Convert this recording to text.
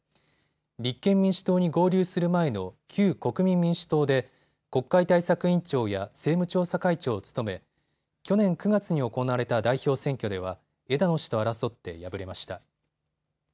立憲民主党に合流する前の旧国民民主党で国会対策委員長や政務調査会長を務め去年９月に行われた代表選挙では枝野氏と争って敗れました。